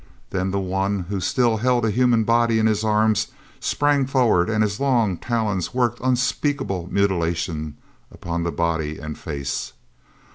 Then the one who still held a human body in his arms sprang forward and his long talons worked unspeakable mutilation upon the body and face.